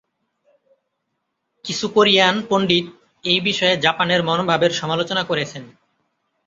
কিছু কোরিয়ান পণ্ডিত এই বিষয়ে জাপানের মনোভাবের সমালোচনা করেছেন।